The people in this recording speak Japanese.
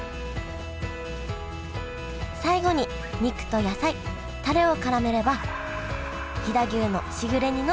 最後に肉と野菜タレをからめれば飛騨牛のしぐれ煮の出来上がりです